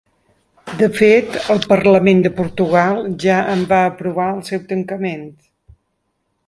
De fet, el parlament de Portugal ja en va aprovar el seu tancament.